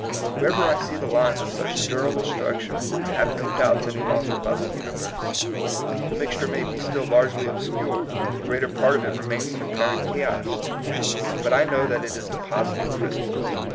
Wherever I see the lines of such durable structure, I have no doubts any longer about the uni verse. The mixture may be still largely obscure, the greater part of it remains in apparent chaos ; but I know that it is de positing crystals.